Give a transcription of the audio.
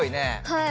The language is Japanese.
はい。